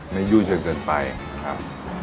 ไม่ยุ่ยเกินเกินไปนะครับ